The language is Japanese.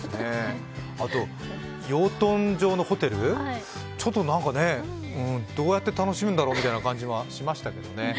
あと、養豚場のホテル、ちょっとなんかね、どうやって楽しむんだろうみたいな感じはしましたけどね。